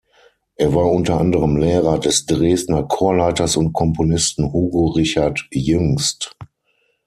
Er war unter anderem Lehrer des Dresdner Chorleiters und Komponisten Hugo Richard Jüngst.